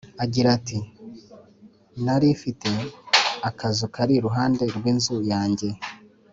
agira ati nari m te akazu kari iruhande rw inzu yanjye